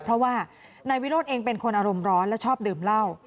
เพราะว่านายวิโรธเองเป็นคนอารมณ์ร้อนและชอบดื่มเหล้า